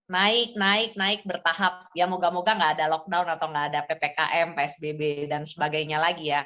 naik naik naik bertahap ya moga moga nggak ada lockdown atau nggak ada ppkm psbb dan sebagainya lagi ya